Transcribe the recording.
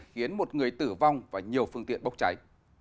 khiến một người tử vong và nhiều phương tiện bốc cháy